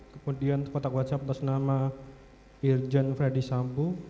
kemudian kotak whatsapp atas nama irjen freddy sambu